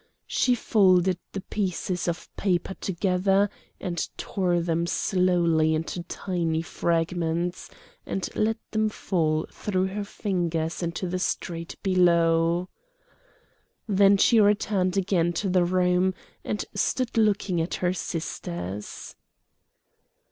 She folded the pieces of paper together and tore them slowly into tiny fragments, and let them fall through her fingers into the street below. Then she returned again to the room, and stood looking at her sisters.